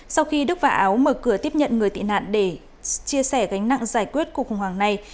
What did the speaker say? sau khi đức và áo mở cửa tiếp nhận người tị nạn để chia sẻ gánh nặng giải quyết cuộc khủng hoảng này